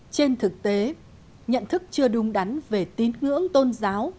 trên thực tế nhận thức chưa đúng đắn về tín ngưỡng tôn giáo